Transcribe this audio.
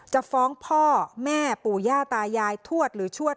จะฟ้องพ่อแม่ปู่ย่าตายายทวดหรือชวด